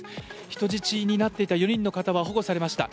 人質になっていた４人の方は保護されました。